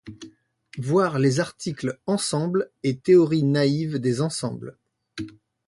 Voir les articles Ensemble et Théorie naïve des ensembles.